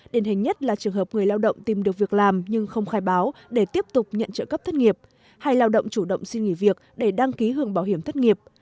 đền hình nhất là trường hợp người lao động tìm được việc làm nhưng không khai báo để tiếp tục nhận trợ cấp thất nghiệp hay lao động chủ động xin nghỉ việc để đăng ký hưởng bảo hiểm thất nghiệp